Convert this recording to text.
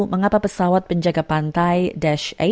mengapa pesawat penjaga pantai dash delapan